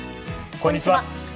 こんにちは。